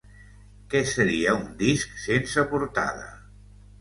Què seria un disc sense portada?